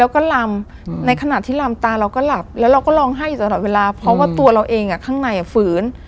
ก็ลำในขณะที่ลำตาเราก็ลำแล้วเราก็ลองให้ตลอดเวลาเพราะว่าตัวเราเองอ่ะข้างในฝืน